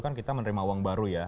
kan kita menerima uang baru ya